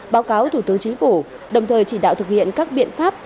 báo cáo thủ tướng chính phủ đồng thời chỉ đạo thực hiện các biện pháp